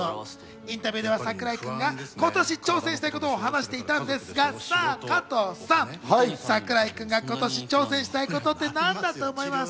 インタビューでは櫻井くんが今年挑戦したいことを話していたんですが、さあ加藤さん、櫻井君が今年、挑戦したいことって何だと思います？